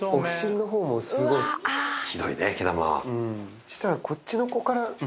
そしたら。